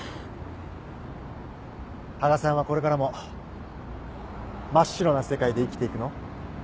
羽賀さんはこれからも真っ白な世界で生きていくの？